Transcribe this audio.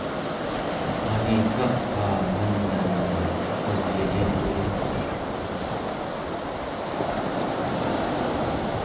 wani-gga-qaa man'a nuna aqevyilituli?